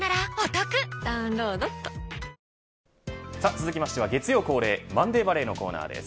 続きましては月曜恒例マンデーバレーのコーナーです。